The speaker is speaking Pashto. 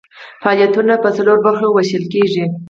فعالیتونه یې په څلورو برخو ویشل کیږي.